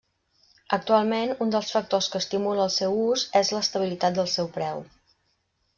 Actualment, un dels factors que estimula el seu ús és l'estabilitat del seu preu.